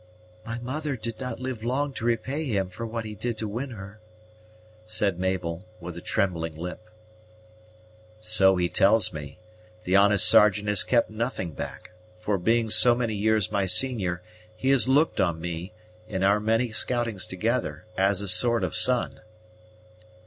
"My mother did not live long to repay him for what he did to win her," said Mabel, with a trembling lip. "So he tells me. The honest Sergeant has kept nothing back; for, being so many years my senior, he has looked on me, in our many scoutings together, as a sort of son."